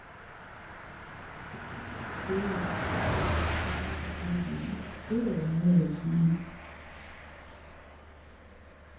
We tusoboledde okuguma emyaka ebiri ate omwezi!